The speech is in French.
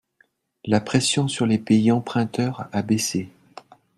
La pression sur les pays emprunteurs a baissé.